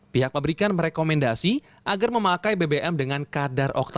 pihak pabrikan merekomendasi agar memakai bbm dengan kadar oktare